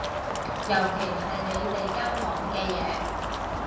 尤其係你哋間房嘅嘢